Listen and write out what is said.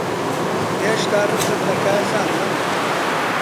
هێشتا ڕقت لە کارزانە؟